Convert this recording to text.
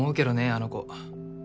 あの子。